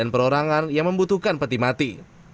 perorangan yang membutuhkan peti mati